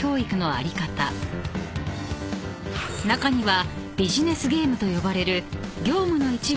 ［中には］